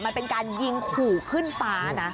มันเป็นการยิงขู่ขึ้นฟ้านะ